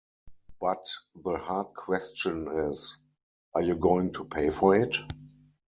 But the hard question is, are you going to pay for it?